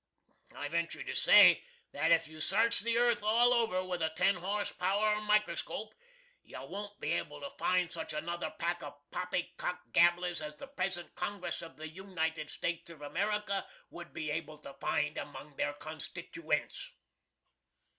I venture to say that if you sarch the earth all over with a ten hoss power mikriscope, you won't be able to find such another pack of poppycock gabblers as the present Congress of the United States of America would be able to find find among their constituents.